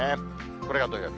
これが土曜日。